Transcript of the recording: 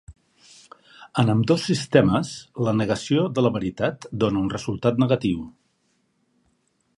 En ambdós sistemes, la negació de la veritat dóna un resultat negatiu.